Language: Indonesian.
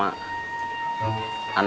anak buahnya bang edi